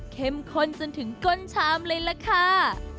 ข้นจนถึงก้นชามเลยล่ะค่ะ